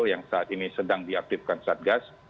yang saat ini sedang diaktifkan satgas